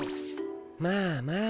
まあまあ。